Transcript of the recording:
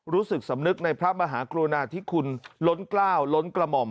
รู้สึกสำนึกในพระมหากรุณาธิคุณล้นกล้าวล้นกระหม่อม